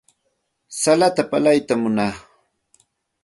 Salata pallaytam munaa.